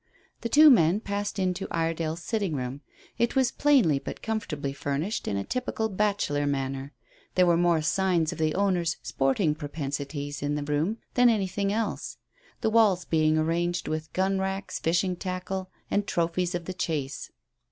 The two men passed into Iredale's sitting room. It was plainly but comfortably furnished in a typical bachelor manner. There were more signs of the owner's sporting propensities in the room than anything else, the walls being arranged with gun racks, fishing tackle, and trophies of the chase.